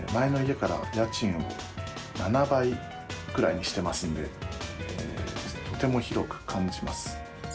前の家からは家賃を７倍くらいにしてますんで、とても広く感じます。